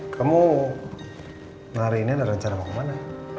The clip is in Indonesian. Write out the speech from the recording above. kamu hari ini ada rencana mau ke mana